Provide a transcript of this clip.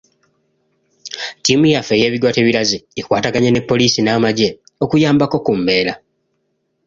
Ttiimu yaffe ey’ebigwa tebiraze ekwataganye ne poliisi n’amagye okuyambako ku mbeera.